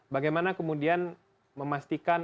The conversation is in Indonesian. bagaimana kemudian memastikan